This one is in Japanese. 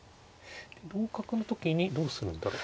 同角の時にどうするんだろう。